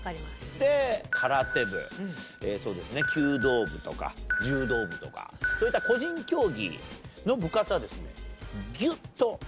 で空手部そうですね弓道部とか柔道部とかそういった個人競技の部活はですね。